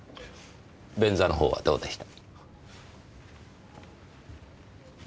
便座のほうはどうでした？